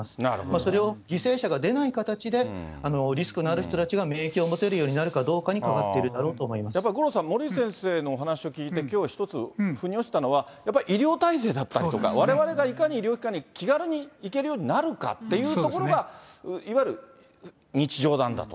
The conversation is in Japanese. それを犠牲者が出ない形で、リスクのある人たちが免疫を持てるようになるかどうかにかかってやっぱり、五郎さん、森内先生のお話を聞いて、きょうは一つ、ふに落ちたのは、やっぱり医療体制だったりとか、われわれがいかに医療機関に気軽に行けるようになるかっていうところが、いわゆる日常なんだと。